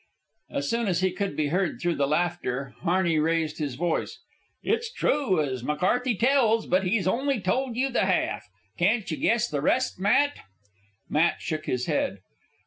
As soon as he could be heard through the laughter, Harney raised his voice. "It's true, as McCarthy tells, but he's only told you the half. Can't you guess the rest, Matt?" Matt shook his head.